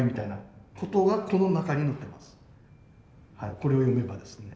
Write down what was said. これを読めばですね。